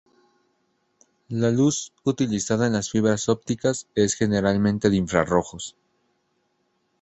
La luz utilizada en las fibras ópticas es generalmente de infrarrojos.